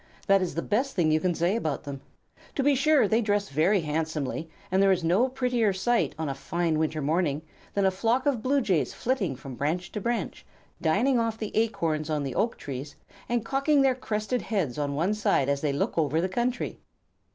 That is the best thing that you can say about them. To be sure, they dress very handsomely, and there is no prettier sight, on a fine winter morning, than a flock of Blue Jays flitting from branch to branch, dining off the acorns on the oak trees, and cocking their crested heads on one side as they look over the country.